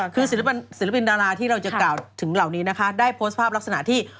คือศิลปินดาราที่เราจะกล่าวถึงเหล่านี้นะคะได้โพสต์ภาพลักษณะที่